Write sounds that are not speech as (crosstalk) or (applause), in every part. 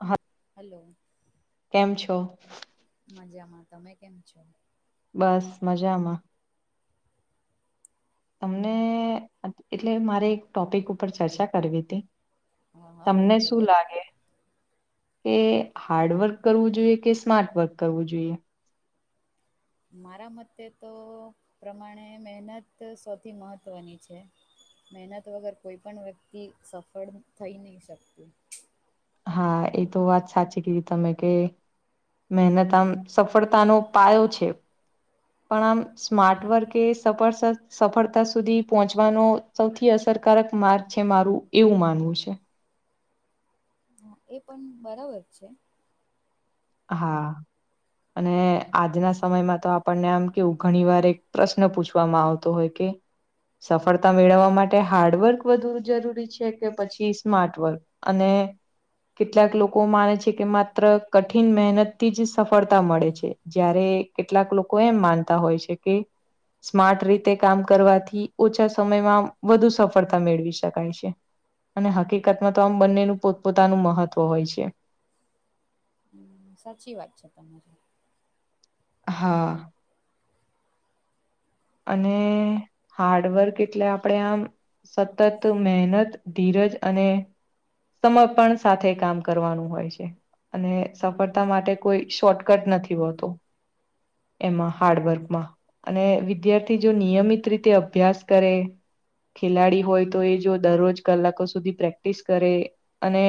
હ લો કેમ છો? મજામાં. તમે કેમ છો? બસ મજામાં. તમને અ એટલે મારે એક ટોપિક ઉપર ચર્ચા કરવી તી. હા હા તમને બોલો શું બોલો લાગે એ હાર્ડવર્ક કરવું જોઈએ કે સ્માર્ટ વર્ક કરવું જોઈએ? મારા મતે તો પ્રમાણે મહેનત સૌથી મહત્વની છે. મહેનત વગર કોઈ પણ વ્યક્તિ સફળ થઈ ની શકતું. હા એ તો વાત સાચી કીધી તમે કે મહેનત આમ સફળતાનો પાયો છે. પણ આમ સ્માર્ટ વર્ક એ સફળ (inaudible) સફળતા સુધી પહોંચવાનો સૌથી અસરકારક માર્ગ છે મારું એવું માનવું છે. હા એ પન બરાબર છે. હા અને આજના સમયમાં તો આપણને આમ કેવું ઘણી વાર એક પ્રશ્ન પૂછવામાં આવતો હોય કે સફળતા મેળવવા માટે હાર્ડવર્ક વધુ જરૂરી છે કે પછી સ્માર્ટવર્ક? અને કેટલાક લોકો માને છે કે માત્ર ક ઠિન મહેનતથી જ સફળતા મળે છે. જયારે કેટલાક લોકો એમ માનતા હોય છે કે સ્માર્ટ રીતે કામ કરવાથી ઓછા સમયમાં વધુ સફળતા મેળવી શકાય છે. અને હકીકતમાં તો આમ બંનેનું પોતપોતાનું મહત્વ હોય છે. હમ સાચી વાત છે તમારી. હા અને હાર્ડવર્ક એટલે આપણેે આમ સતત મહેનત, ધીરજ અને સમર્પણ સાથે કામ કરવાનું હોય છે. અને સફળતા માટે કોઈ શોર્ટકટ નથી હોતો. એમાં હાર્ડવર્કમાં અને વી વિદ્યાર્થી જો નિયમિત રીતે અભ્યાસ કરે ખેલાડી હોય તો એ જો દરરોજ કલાકો સુધી પ્રેક્ટિસ કરે અને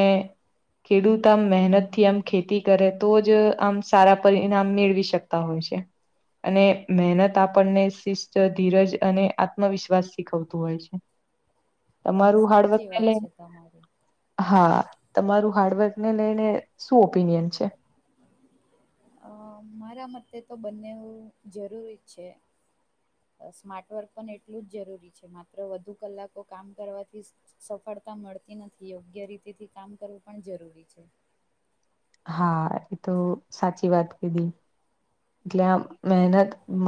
ખેડૂત આમ મહેનતથી આમ ખેતી કરે તો જ આમ સારા પરિણામ મેળવી શક તા હોય છે. અને મહેનત આપણને શિસ્ત ધીરજ અને આત્મવિશ્વાસ શીખવતું હોય છે તમારું સાચી હાર્ડવર્ક વાત લ છે તમારી હા તમારું હાર્ડવર્ક ને લઈને શું ઓપિનિયન છે? અ મારા મતે તો બંને જરૂરી છે સ્માર્ટ વર્ક પણ એટલું જ જરૂરી છે માત્ર વધુ કલાકો કામ કરવાથી સફળતા મળતી નથી યોગ્ય રીતે થી કામ કરવું પણ જરૂરી છે હા એ તો સાચી વાત કીધી એટલે આમ મહેનત મ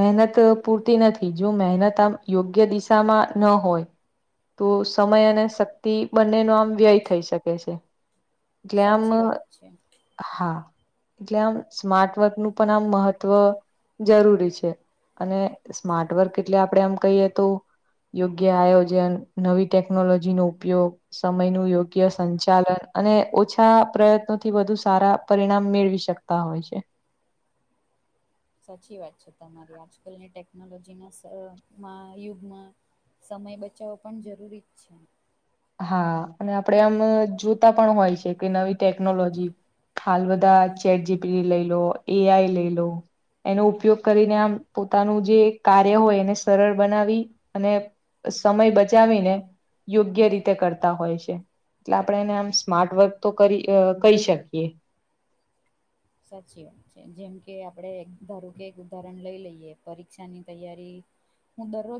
મહેનત પૂરતી નથી જો મહેનત આમ યોગ્ય દિશામાં ન હોય તો સમય અને શક્તિ બંને નો આમ વ્યય થઈ શકે છે ટલે આમ સાચી વાત છે હા એટલે આમ સ્માર્ટ વર્ક નું પણ આમ મહત્વ જરૂરી છે અને સ્માર્ટ વર્ક એટલે આપડે એમ કહીએ તો યોગ્ય આયોજન નવી ટેકનોલોજી નો ઉપયોગ સમય નું યોગ્ય સંચાલન અને ઓછા પ્રયત્નોથી વધુ સારા પરિણામ મેળવી શક તા હોય છે સાચી વાત છે તમારી આજકાલની ટેકનોલોજીમાં સ મા યુગમાં સમય બચાવો પણ જરૂરી જ છે હા અને આપડે આમ જોતા પણ હોય છે કે નવી ટેકનોલોજી હાલ બધા ચેટ જી પી ટી લઈ લો એ આઈ લઈ લો એનો ઉપયોગ કરીને આમ પોતાનું જે કાર્ય હોય એને સરળ બનાવી અને સમય બચાવીને યોગ્ય રીતે તે કરતા હોય છે એટલે આપણે એને આમ સ્માર્ટ વર્ક તો કરી કરી શકીએ સાચી વાત છે જેમ કે આપડે ધારો કે એક ઉદાહરણ લઈ લઈએ પરીક્ષા ની તૈયારી હું દરરોજ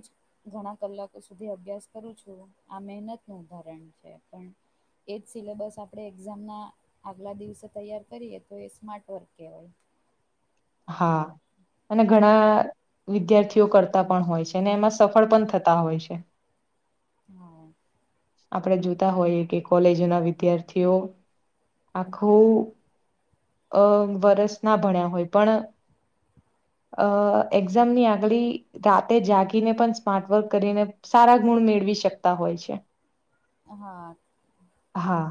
ઘણા કલાકો સુધી અભ્યાસ કરું છું આ મહેનત નું ઉદાહરણ છે પણ એ જ સિલેબસ આપડે એક્ઝામના આગલા દિવસે તૈયાર કરીએ તો એ માર્ટ વર્ક કહેવાય હા અને ઘણા વિદ્યાર્થીઓ કરતા પણ હોય છે અને એમાં સફળ પણ થતા હોય છે હા આપડે જોતા હોઈએ કે કોલેજો ના વિદ્યાર્થીઓ આખું અ વરસ ના ભણ્યા હોય પણ અ એક્ઝામની આગલી રાતે જાગીને પણ સ્માર્ટ વર્ક કરીને સારા ગુણ મેળવી શકતા હોય છે હા હા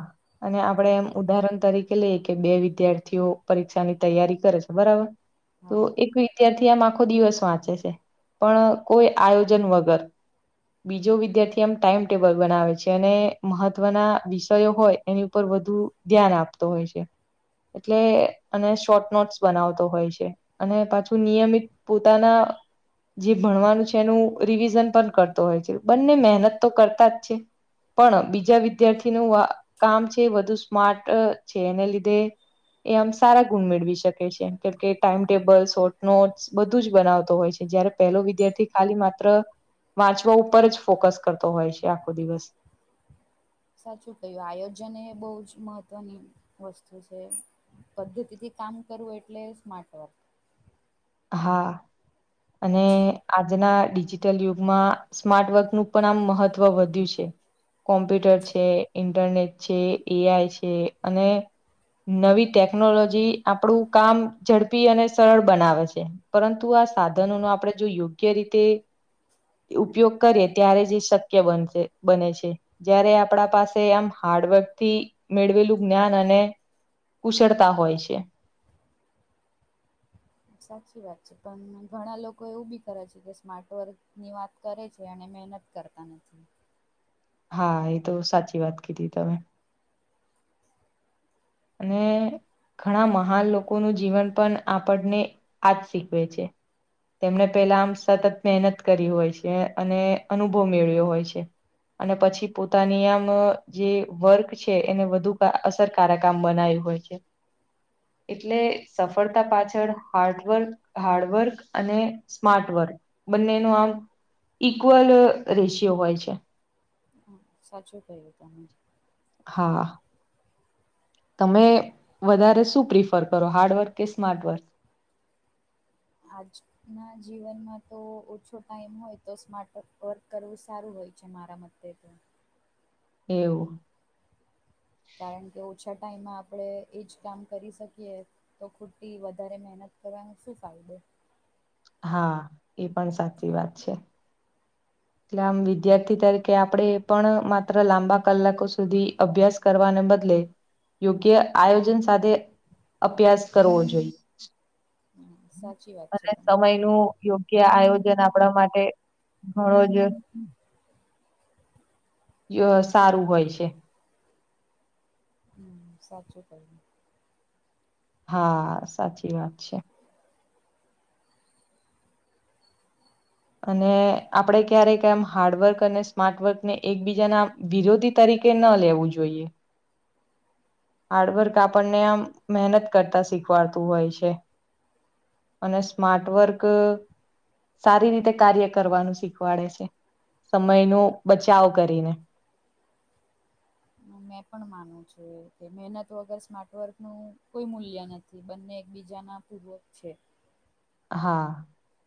અને આપડે એમ ઉદાહરણ તરીકે લઈએ કે બે વિદ્યાર્થીઓ પરીક્ષાની તૈયારી કરે છે બરાબર તો હા એક ત્યારથી આમ આખો દિવસ વાંચે છે પણ કોઈ આયોજન વગર બીજો વિદ્યાર્થી એમ ટાઈમ ટેબલ બનાવે છે અને મહત્વના વિષયો હોય એની ઉપર વધુ ધ્યાન આપતો હોય છે એટલે અને શોર્ટ નોટ્સ બનાવતો હોય છે અને પાછું નિયમિત પોતાના જે ભણવાનું છે એનું રિવિઝન પણ કરતો હોય છે બંને મહેનત તો કરતા જ છે પણ બીજા વિદ્યાર્થીનું કામ છે વધુ સ્માર્ટ છે એને લીધે એ આમ સારા ગુણ મેળવી સ કે છે ટાઈમટેબલ શોર્ટ નોટ બધું જ બનાવતો હોય છે જયારે પહેલો વિદ્યાર્થી ખાલી માત્ર વાંચવા ઉપર જ ફોકસ કરતો હોય છે આખો દિવસ સાચું કહ્યું આયોજન એ બહુ જ મહત્વની વસ્તુ છે, પદ્ધતિથી કામ કરવું એટલે સ્માર્ટ વર્ક. હા. અને આજના ડિજિટલ યુગમાં સ્માર્ટ વર્કનું પણ આમ મહત્વ વધ્યું છે. કોમ્પ્યુટર છે, ઇન્ટરનેટ છે, એ આઈ છે, અને નવી ટેકનોલોજી આપડું કામ ઝડપી અને સરળ બનાવે છ એ, પરંતુ આ સાધનો નો આપણેે જો યોગ્ય રીતે ઉપયોગ કરીએ ત્યારે જ એ શક્ય બનશે, બને છે. જયારે આપણા પાસે આમ હાર્ડવર્કથી મેળવેલું જ્ઞાન અને કુશળતા હોય છે. સાચી વાત છે, પણ ઘણા લોકો એવું બી કરે છે કે સ્માર્ટવર્કની વાત કરે છે, અને મહેનત કરતા નથી. હા એ તો સાચી વાત કીધી તમે. અને ઘણા મહાન લોકોનું જીવન પણ આપણને આ જ શીખવે છે. તેમને પહેલા આમ સતત મહેનત કરી હોય છે, અને અનુભવ મેળવ્યો હોય છે. અને પછી પોતાની આમ જે વર્ક છે એને વધુ કા અસરકારક કામ બનાયું હોય છે. એટલે સફળતા પાછળ હાર્ટવર્ક હાર્ડવર્ક અને સ્માર્ટ વર્ક, બંને નું આમ ઈક્વલ રેશિયો હોય છે. સાચું ક્હયું તમે. હા. તમે વધારે શું પ્રિફર કરો હાર્ડવર્ક, કે સ્માર્ટ વર્ક? આ જ ના જીવનમાં તો ઓછો ટાઈમ હોય તો સ્માર્ટ વક વર્ક કરવું સારું હોય છે મારા મત તે તો. એવું. કારણ કે ઓછા ટાઈમમાં આપણે એજ કામ કરી શકીએ. તો ખોટી વધારે મહેનત કરવાનો શું ફાયદો? હા, એ પણ સાચી વાત છે. એટલે આમ વિદ્યાર્થી તરીકે આપણે પણ માત્ર લાંબા કલાકો સુધી અભ્યાસ કરવાને બદલે યોગ્ય આયોજન સાથે અભ્યાસ કરવો જોઈએ. સાચી વાત છે અને તમારી સમય નું યોગ્ય આયોજન આપણા માટે (unintelligible) ય સારું હોય છે. હમ્મ, સાચું કહ્યું. હા સાચી વાત છે. અને આપણે ક્યારેક એમ હાર્ડવર્ક અને સ્માર્ટવર્ક ને એકબીજાના વિરોધી તરીકે ન લેવું જોઈએ. હાર્ડવર્ક આપણને આમ મહેનત કરતા શીખવાડતું હોય છે. અને સ્માર્ટવર્ક સારી રીતે કાર્ય કરવાનું શીખવાડે છે, સમયનો બચાવ કરીને. મેં પણ માનું છેું કે મહેનત વગર સ્માર્ટ વર્કનું કોઈ મૂલ્ય નથ થી, બંને એકબીજા ના પૂર્વક છે. હા.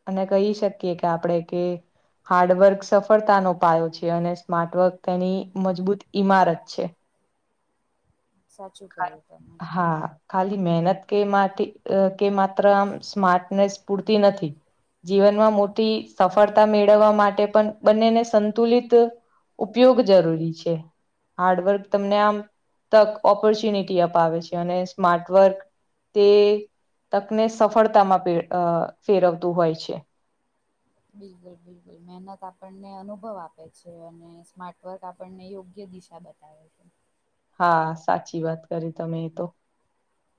અને કહી શકીએ કે આપણેે કે હાર્ડવર્ક સફળતાનો પાયો છે, અને સ્માર્ટવર્ક તેની મજબૂત ઈમારત છે. સાચું કહ્યું તમે. હા, ખાલી મહેનત કે માટી કે માત્ર આમ સ્માર્ટનેસ પૂરતી નથી. જીવનમાં મોટી સફળતા મેળવવા માટે પણ બંનેને સંતુલિત ઉપયોગ જરૂરી છે. હાર્ડવર્ક તમને આમ તક, ઓપ પોર્ચ્યુનિટી અપાવે છે, અને સ્માર્ટવર્ક તે તકને સફળતામાં ફેરવતું હોય છે. બિલકુલ બિલકુલ મહેનત આપણને અનુભવ આપે છે અને સ્માર્ટવર્ક આપણને યોગ્ય દિશા બને (inaudible) હા સાચી વાત કરી તમે તો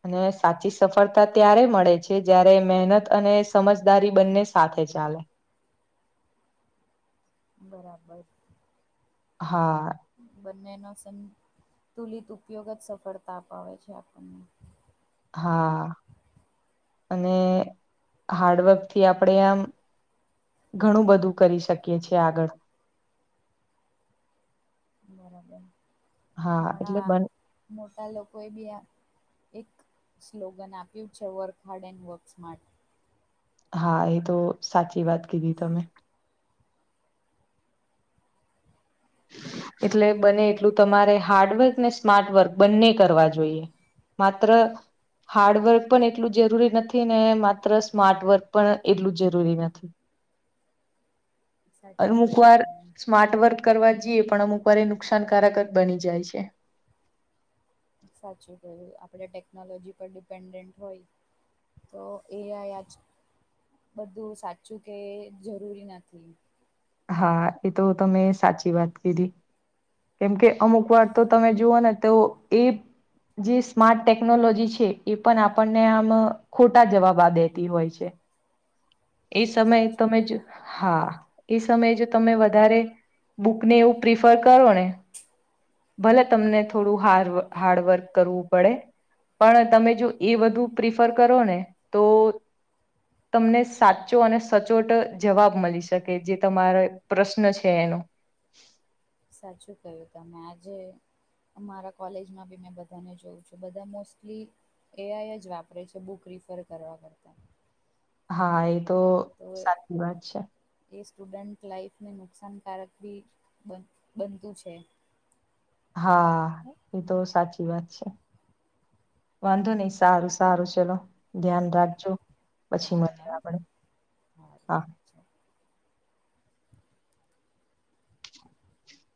અને સાચી સફળતા ત્યારે મળે છે જયારે મહેનત અને સમજદારી બંને સાથે ચાલે બરાબર. હા. બંનેનો સંતુલિત ઉપયોગ જ સફળતા અપાવે છે આપણને હા અને હાર્ડવર્ક થી આપણે આમ ઘણું બધું કરી શકીએ છીએ આગળ બરાબર હા એટલે ઘણા બન મોટા લોકો એ બી આ એક સ્લોગન આપ્યું છે વર્ક હાર્ડ એન્ડ વર્ક્સ માર્ હા એ તો સાચી વાત કીધી તમે એટલે બને એટલું તમારે હાર્ડવર્ક ને સ્માર્ટવર્ક બંને કરવા જોઈએ. માત્ર હાર્ડવર્ક પણ એટલું જરૂરી નથી ને માત્ર સ્માર્ટવર્ક પણ એટલું જરૂરી નથી. સાચું અમુક કહ્યું વાર તમને. સ્માર્ટ વર્ક કરવા જઈએ પણ અમુક વાર એ નુકસાનકારક જ બની જાય છે. સાચું કય્યું આપણે ટેકનોલોજી પર ડિપેન્ડન્ટ હોય તો એઆ આજ બધું સાચું કે જરૂરી નથી. હા એ તો તમે સાચી વાત કીધી કેમ કે અમુક વાર તો તમે જુઓ ને તો એ જે સ્માર્ટ ટેકનોલોજી છે એ પણ આપણને આમ ખોટા જવાબા દેતી હોય છે એ સમયે સાચું તમે જ હા એ સમયે જો તમે વધારે બુકને એવું પ્રિફર કરો ને ભલે તમને થોડું હાર હાર્ડવર્ક કરવું પડે પણ તમે જો એ બધું પ્રિફર કરો ને તો તમને સાચો અને સચોટ જવાબ મળી શકે જે તમારે પ્રશ્ન છે એનો સાચું કય્યું તમે આજે મારા કોલેજમાં બી મેં બધાને જોઉં છું બધા મોસ્ટલી એ આઈ જ વાપરે છે બુક રિફર કરવા કરતાં હા એ તો સાચી વાત છે. એ સ્ટુડન્ટ લાઈફને નુકસાનકારક બી બનતું છે. હા એ તો સાચી વાત છે. વાંધો નહી સારું સારું ચલો. ધ્યાન રાખજો પછી હા મી હા આપણેે સારું હા. (inaudible)